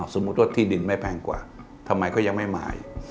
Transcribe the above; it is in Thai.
สมมุติว่าที่ดินไม่แพงกว่าทำไมเขายังไม่มาอีก